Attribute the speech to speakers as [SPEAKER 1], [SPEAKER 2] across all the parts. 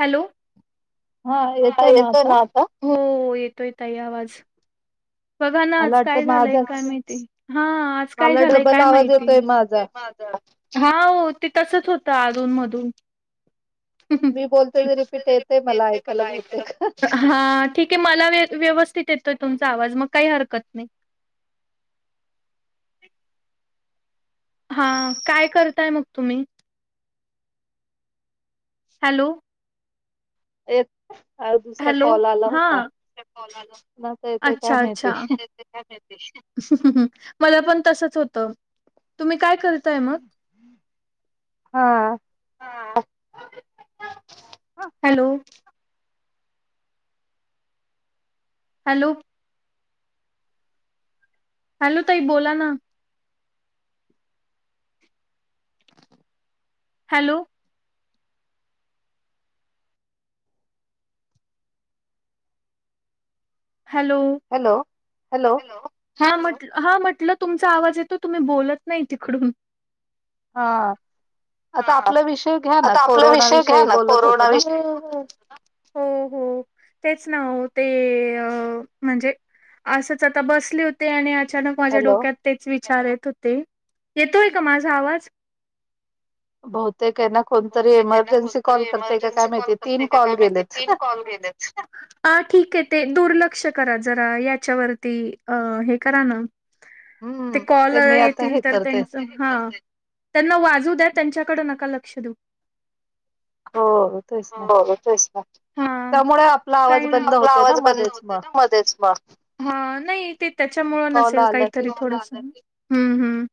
[SPEAKER 1] Hello हा येतोय -ना आता, हो येतो येतोय ताई आवाज. बघा ना आज काय झालंय काय माहितीय-, हा आज काय झालंय काय माहिती. [inaudible] हा- हो ते तसचं होतं अधूनमधून ती [unintelligible] तिथं मला येते ऐकायला हं हा ठीकय मला व्य व्यवस्थित येत तोय तुमचा आवाज मग काही हरकत नाही. हा [inaudible] काय करताय मग तुम्ही? हॅलो
[SPEAKER 2] एक
[SPEAKER 1] हॅलो हा [unintelligible] अच्छा अच्छा [unintelligible] [inaudible] मला पण तसच होत तुम्ही काय कर ताय मग [inaudible] हा.. हॅलो हॅलो हॅलो ताई बोला ना हॅलो हॅलो, हॅलो हा म्हट हा म्हटलं तुमचा आवाज येतो तुम्ही बोलत नाही तिकडून
[SPEAKER 2] हा
[SPEAKER 1] हा आता आपला विषय घ्या ना, कोरोना विषय [inaudible] हो हो तेच ना वो ते अं म्हंजे असंच आता बसले होते आणि आत अचानक माझ्या डोक्यात तेच विचार येत होते, येतोय का माझा आवाज?
[SPEAKER 2] बहुतेक काय ना कोणतरी एमर्जन्सी कॉल करतय का काय माहिती तीन कॉल गेलेत.
[SPEAKER 1] [unintelligible] हा ठीकय ते दुर्लक्ष करा जरा याच्यावरती अ हे करा ना ते कॉल येतील तर त्यांच [unintelligible] हा त्यांना वाजू द्यात. त्यांच्याकड नका लक्ष देऊ. हो [unintelligible] हा काय आपला आवाज बंद हो तय ना मध्येच मग, हा नाही ते त्याच्यामुळ नसेल काहीतरी थोडसं हम्म हम्म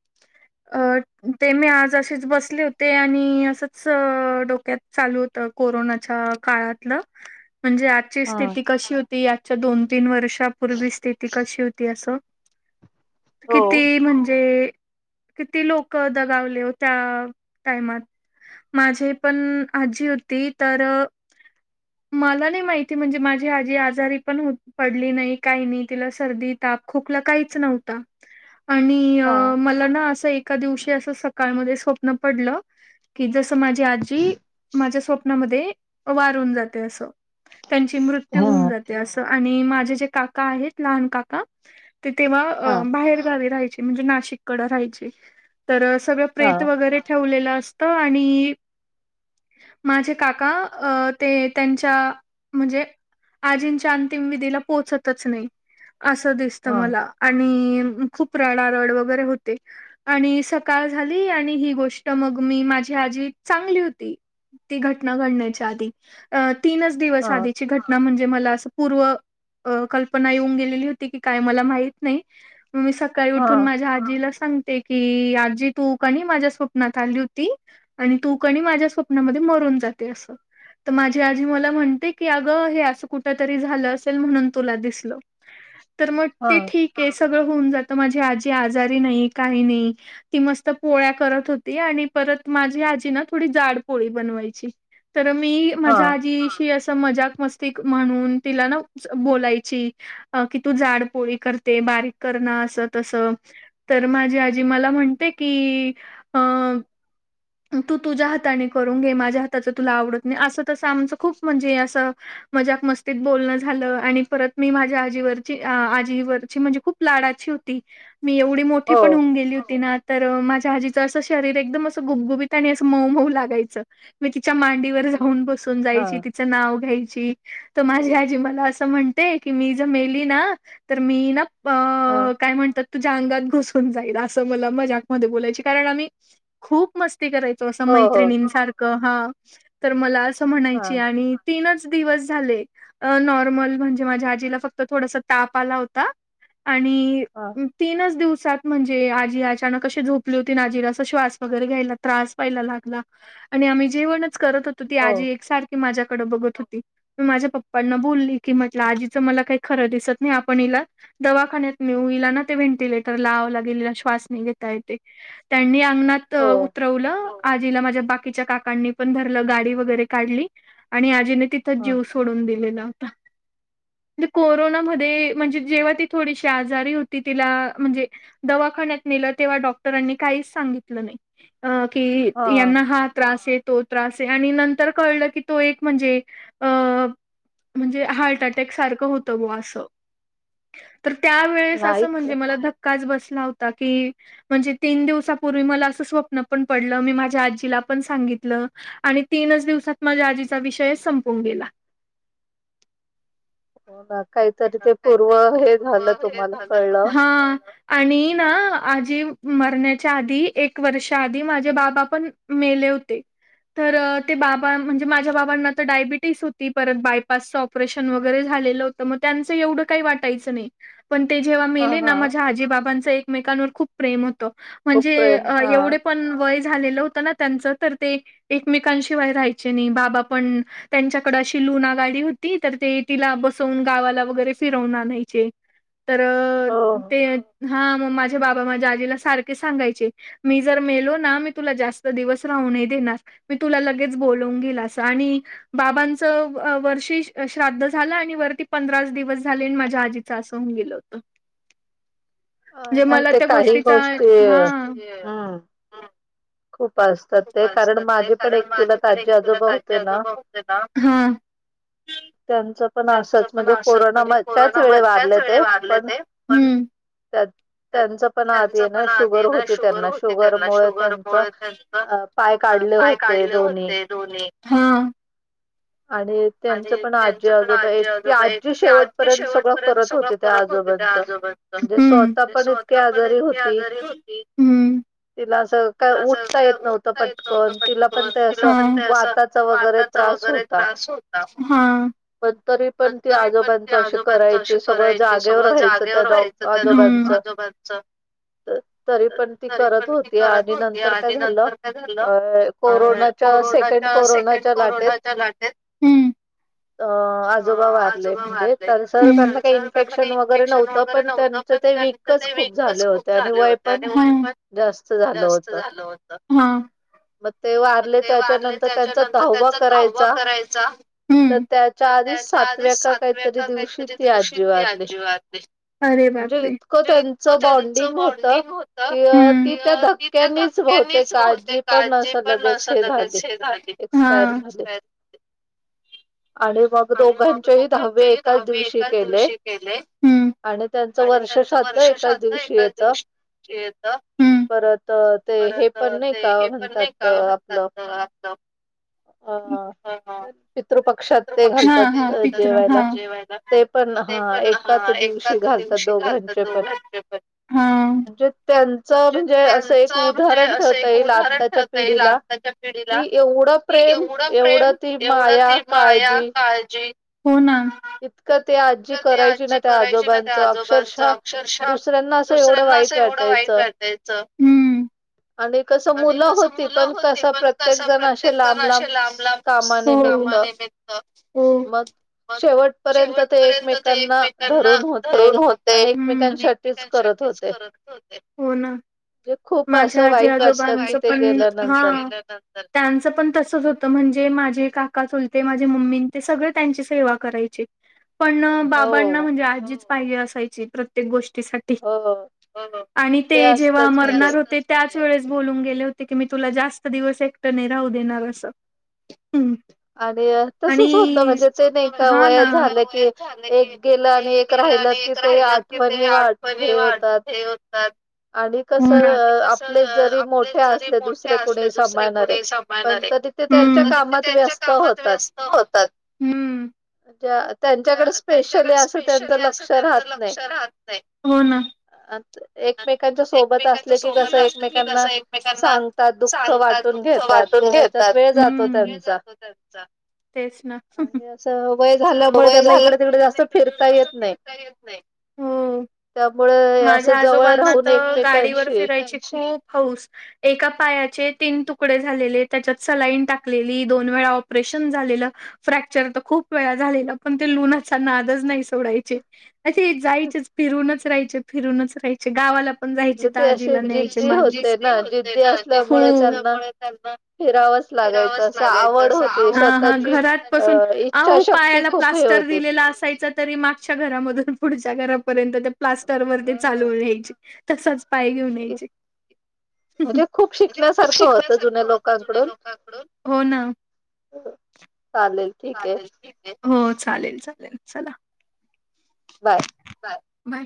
[SPEAKER 1] अ ते मी आज अअशीच बस. ले होते आणि असच अं डोक्यात चालू होत कोरोनाच्या काळातलं म्हणजे आजची स्थिती कशी होती. च दोन तीन वर्षापूर्वी स्थिती कशी होती अआसं किती म्हणजे, किती लोकं दगावले वो त्या टायमात माझे पण आजी होती तर. मला नाही माहिती म्हणजे माझी आजी आजारी पण हो पडली नाही काय नाही तिला सर्दी ता ताप खोकला काहीच नव्हता. आणि अं मला ना आसं एका दिवशी असं सकाळमध्ये स्वप्न पडलं. कि जसं माझी आजी माझ्या स्वप्नामध्ये वारून जाते असं. त्यांची मृत्यू होऊन जाते आसं आणि माझे जे काका आहेत, लहान काका ते तेव्हा अ बाहेर गावी राहायचे म्हणजे नाशिककड राहायचे तर सगळं प्रे ठेवलेलं असत आणि माझे काका अं ते त्येच्या म्हणजे आजींच्या अंतिम विधीला पोहचतचं नाही असं दिसत मला आणि खूप रडारड वगैरे होते आणि सकाळ झाली आ णि ही गोष्ट मग मी माझी आजी चांगली होती. ती घटना घडण्याच्या आधी तीनच दिवस आधीची घटना म्हण ते मला आस पूर्व अं कल्पना येवून गेलेली होती की काय मला माहित नाही. मी सकाळी उठून माझ्या आजीला सांगते की, आजी तू कणी माझ्या स्वप्नात आली होती आणि तू कणी माझ्या स्वप्नामध्ये मरून जाते असं. तर माझी आजी मला म्हणते की अगं हे असं कुठ तरी झालं असेल म्हणून तुला दिसलं. ह तर मग ते ठीक आहे सगळं होऊन जातं माझी आजी आजारी नाही काही नाही ती मस्त पोळ्या करत होती, आणि परत माझी आजी ना थोडी जाड पोळी बनवायची. तर मी माझ्या आजीशी अस. मजक मस् म्हणून तिला ना बोलायची की तूडपोळी करते. बक माझी आजी म म्हण. कि अं तू तुझ्या हाताने करून घे माझ्या हाताच तुला आवडत नाही असं तसं आमचं खूप म्हणजे असं. मज्या मस्तीत बोलणं झालं आणि परत मी माझ्या आजीवरची आजीवरची म्हणजे खूप लाडा हो मी एवढी मोठी पण होऊन गेली होती ना. तर माझ्या आजीचं असं शरीर एकदम असं गुपगुबत आणि असं मऊ मऊ लागायचं मी तिच्या मांडीवर जाऊन बसून जायची तिच नाव घ्यायची. तर माझी आजी मला असं म्हणते की मी जर मेली ना तर मी ना अ काय म्हणतात तुझ्या अंगात घुसून जाईल असं मला मजा मध्ये बोलायची कारण आम्ही खूप मस्ती करायचो असं मैत्रिणींसारखं हा तर मला असं म्हणायची आणि तीनच दिवस झा नॉर्मल म्हणजे माझ्या आजीला फक्त थोड ताप आला होता. आणि तीनच दिवसात म्हणजे आजी अचानक. कशी झोपली होती अन आजीला असं श्वास वगैरे घेयला त्रास व्हायला लागला, आणि आम्ही जेवण करत होतो, ती आजी एकसारखी माझ्या कडं बघत होती, मी माझ्या पप्पांना बोलली की म्हटलं आजीचं मला काही खरं दिसत नाही आपण हिला दवाखान्यात नेऊ, हिला ना ते व्हेंटिलेटर लावावं लागेल, हिला श्वास नाही घेत ता येते, त्यांनी अंगणात उतरवलं आजीला माझ्या बाकीच्या काकांनी पण धरलं गाडी वगैरे काढली आणि आजीने तिथंच जीव सोडून दिलेला होता. ती कोरोनामध्ये म्हणजे जेव्हा ती थोडीशी आजारी होती तिला, म्हणजे दवा खाण्यात नेलं तेव्हा डॉक्टरांनी काहीच सांगितलं नाही, अ की ह्यांना हा त्रास आहे तो त्रास आहे आणि नंतर कळलं की तो एक म्हणजे अ म्हणजे हार्ट अटॅक सारखं होतं बो असं. तर त्या वेळेस असं म्हणजे मला धक्काच बसला होता की म्हणजे तीन दिवसापूर्वी मला असं स्वप्न पण पडलं, मी माझ्या आजीला पण सांगितलं आणि ते तीनच दिवसात माझ्या आजीचा विषयच संपून गेला.
[SPEAKER 2] हो ना
[SPEAKER 1] [unintelligible] हे झाल हा आणि ना आज जी मरण्याच्या आधी एक वर्षा आधी माझे बाबा पण मेले होते. तर अ ते बाबा म्हणजे माझ्या बाबांना तर डायबिटीस होती, परत बायपासचं ऑपरेशन वगैरे झालेलं त मग त्यांचं एवढं काही वाटायचं नाही, पण ते जेव्हा मेले ना माझ्या आजीबाबांच एकमेकांवर खूप प्रेम होतं, म्हणजे अ एवढे पण वय झालेलं होतं ना खु त्यांचं तर ते एकमेकांशिवाय राहायचे नाही, बाबा पण त्यांच्याकडे अशी लुना गाडी हो ती तर ते तिला बस सोनगावाला वगैरे फिरवून आणायचे, तर अ ते हा मग माझ्या बाबा माझ्या आजीला सारखे सांगायचे, मी जर मेलो ना मी तुला जास्त दिवस राहु हू नाय देणार, मी तुला लगेच बोलवून घेईल असं‌ आणि बाबांचं अ वर्ष श श श्राद्ध झालं आणि वरती पंधराच दिवस झाले आणि माझ्या आजीचं असं होऊन गेलं होतं. म्हणजे मला त्या गोष्टीचा, हा. खूप असतात ते कारण माझे पण एक चुलत आजी आजोबा होते ना, हा. [unintelligible] त्यांचं पण असंच म्हणजे कोरोना म त्याच वेळे वारले ते, पण हम्म त त्यांचं पण आधी आहे ना शुगर होती त्यांना शुगर मुळे त्यांचं अ पाय काढले होते दोन्ही, हा आणि त्यांचं पण आजी आजोबा एक, ती आजी शेवटपर्यंत सगळं करत होती, त्या त्या आजोबांचं, हम्म, ती स्वतः पण इतकी आजारी होती, हम्म. तिला असं अ उठता येत नव्हतं पटकन, तिला म्हणजे असं वाताचं वगैरे त्रास होता, हा. पण तरी पण ते आजोबांच असे करायचे सगळं जागेवर राहायचं त्या आजोबा च. त तरी पण ती करत होती आणि नंतर काय झालं अ कोरोनाच्या, सेकंड कोरोनाच्या लाटेत अ आजोबा वारले तर, त्यांना काही इन्फेक्शन वगैरे नव्हतं पण नंतर ते विकच खूप झाले होते आणि [unintelligible] जास्त झालं होत. मग ते वारले त्याच्यानंतर त्याचा दहावा करायचा तर त्याच्या आधीच सातव्या का काहीतरी दिवशी ती आजी वारली. अरे बापरे! इतकं त्यांचं बॉन्डिंग होत की, ती त्या धक यानीच बहूतेक आजी पण असं लगेच हे झाली. [inaudible] आणि मग दोघांचे ही दहावे एकाच दिवशी केले. आणि त्यांचं वर्ष श्राद्ध एकाच दिवशी येत.
[SPEAKER 2] ते हे पण नाही का म्हणतात आपलं अ पितृपक्षात ते घालतात जेवायला ते पण हा एकाच एकाच दिवशी घालतात
[SPEAKER 1] घालत हा म्हेजे त्यांच म्हणजे असं एक उदाहरण ठेवता येईल आताच्या पिढीला की ला एवढं प्रेम एवढं ती माया काळजी हो ना इ तर ते आजी करायची ना त्या आजोबांच अक्षरशः दुसऱ्यांना असं एवढं वाईटचे आणि कस मुलं होते पण कसे प्रत्येक जण असे लांब लांब हो मग शेवटपर्यंत ते एकमेकांना धरून होते आणि एकमेकाशी त हो हो ना
[SPEAKER 2] जे खूप असे
[SPEAKER 1] जी आजोबच पण ह त्यांच पण तसेच होत म्हणजे माझे का चुलते ते माझे मम्मी सगळे त्यांची सेवा करायची पण बाबांना म्हणजे आजी पाहिजे असायची प्रत्येक गोष्टी आणि ते जेव्हा मरणार होते त्या वेळेस बोलून गेले होते की मी तुला जास्त दिवस एकट नाही राहू देणार असे आणि हा ना छान वया झालं की एक केला एक राहिलं की ते आहे कीहोतात
[SPEAKER 2] आणि कसे आपले जरी मोठे असले दुसरे कोणी सांभाळणारे पण तरी त्यांच्या कामात व्यस्त होतात त्यांच्याकडे स्पेशली असं त्यांच लक्ष राहत नाही आ एकमेकांना सोबत अस की कस एकमेकांना सांगतात दुःख वाटून घेतात त्या
[SPEAKER 1] हे जातो त्यांचा तेच ना वय झाल्यामुळे त्यांना इकडे तिकडे जास्त फिरता येत नाही हम
[SPEAKER 2] त्यामुळे असं जवळ राहून
[SPEAKER 1] गाडी वर फिरायची खूप हाऊस एका पायाचे तीन तुकडे झालेले त्यांच्यात सलाईन टाकलेली दोन वेळा ऑपरेशन फ्रॅचर खूप वेळा झाले पण ते लुना नादच नाही सोडायचे अे जायचेच फिरूनच राहायचे फिरूनच राहायचे गावाला पण जायचे ताजीला न्यायचे मा फि घरातसूनह पायाला प्लास् [inaudible] दिला असायचा तरी मागच्या घरामधून पुढच्या घरा त्या प्लास्टर वरती चालवून घ्यायची तसच पाय घेऊन यायची म्हणे खूप शिकवासारखं होतं जुन्या लोकांकडून हो ना
[SPEAKER 2] चालेल
[SPEAKER 1] चालेल हो चालेल चालेल चला
[SPEAKER 2] बाय
[SPEAKER 1] बाय